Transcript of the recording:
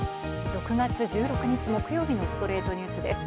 ６月１６日、木曜日の『ストレイトニュース』です。